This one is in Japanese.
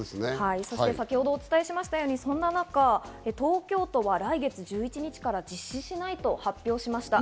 先ほどお伝えしましたように、そんな中、東京都は来月１１日から実施しないと発表しました。